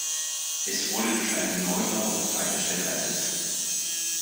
Es wurde durch einen Neubau an gleicher Stelle ersetzt.